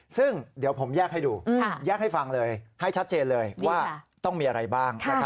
ซึ่งเดี๋ยวผมแยกให้ดูแยกให้ฟังเลยให้ชัดเจนเลยว่าต้องมีอะไรบ้าง